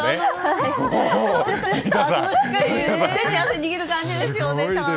手に汗握る感じですね。